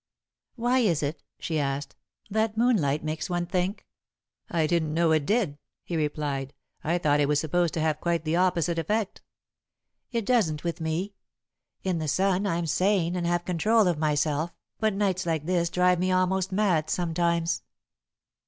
"Why is it?" she asked, "that moonlight makes one think?" "I didn't know it did," he replied. "I thought it was supposed to have quite the opposite effect." "It doesn't with me. In the sun, I'm sane, and have control of myself, but nights like this drive me almost mad sometimes."